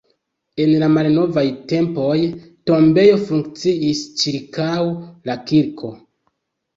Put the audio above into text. En la malnovaj tempoj tombejo funkciis ĉirkaŭ la kirko.